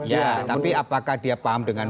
ya tapi apakah dia paham dengan